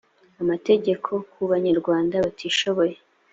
amategeko ku banyarwanda batishoboye